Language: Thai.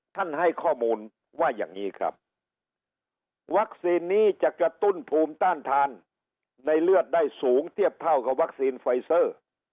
ให้ข้อมูลว่าอย่างนี้ครับวัคซีนนี้จะกระตุ้นภูมิต้านทานในเลือดได้สูงเทียบเท่ากับวัคซีนไฟเซอร์